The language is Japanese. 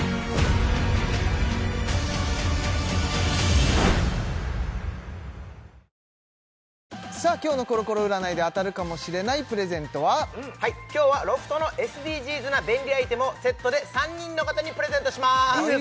「ビオレ」さあ今日のコロコロ占いで当たるかもしれないプレゼントははい今日はロフトのＳＤＧｓな便利アイテムをセットで３人の方にプレゼントしまーす